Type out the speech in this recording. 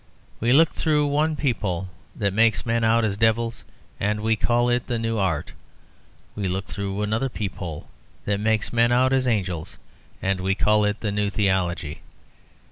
We look through one peephole that makes men out as devils, and we call it the new art. We look through another peephole that makes men out as angels, and we call it the New Theology.